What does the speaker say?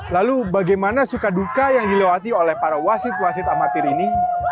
lalu bagaimana suka duka yang dilewati oleh para wasit wasit amatir ini